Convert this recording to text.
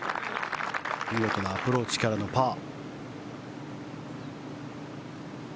見事なアプローチからのパー。